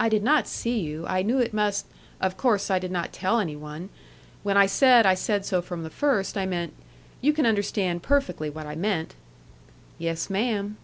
"I did not see you. I knew it must of course I did not tell any one. When I said I said so from the first, I meant you can understand perfectly what I meant." "Yes, ma'am."